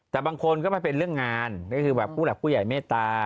แต่บางคนก็มาเป็นเรื่องงานก็คือแบบผู้หลักผู้ใหญ่เมตตา